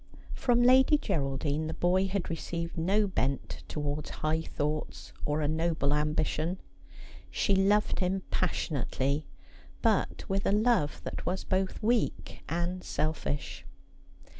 From Lady Geraldine the boy had received no bent towards high thoughts or a noble ambition. She loved him passionately, but with a love that was both weak and selfish.